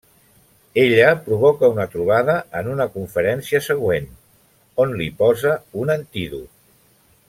Ella provoca una trobada en una conferència següent, on li posa un antídot.